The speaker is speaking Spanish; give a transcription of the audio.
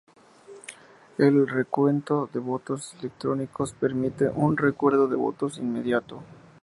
El recuento de votos electrónicos permite un recuento de votos inmediato.